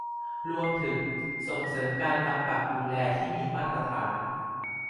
รวมถึงส่งเสริมการกำกับดูแลที่มีมาตรฐาน